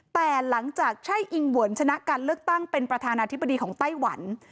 แต่หลังจากใช่อิงเวิร์นชนะการเลือกตั้งเป็นประธานาธิบดีของไต้หวัน